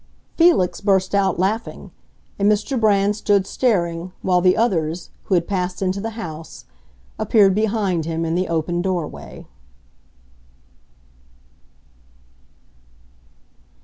Felix burst out laughing, and Mr. Brand stood staring, while the others, who had passed into the house, appeared behind him in the open doorway.